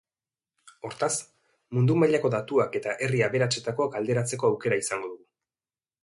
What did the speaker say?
Hortaz, mundu-mailako datuak eta herri aberatsetakoak alderatzeko aukera izango dugu.